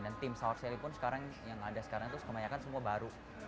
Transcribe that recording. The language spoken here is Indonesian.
dan tim saurseli pun sekarang yang ada sekarang itu kebanyakan semua baru